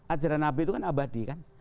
ajaran nabi itu kan abadi kan